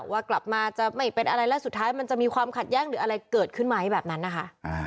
ว่ากลับมาจะไม่เป็นอะไรแล้วสุดท้ายมันจะมีความขัดแย้งหรืออะไรเกิดขึ้นไหมแบบนั้นนะคะ